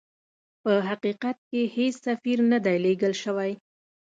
په حقیقت کې هیڅ سفیر نه دی لېږل سوی.